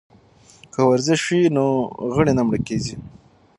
که ورزش وي نو غړي نه مړه کیږي.